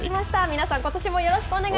皆さん、ことしもよろしくお願い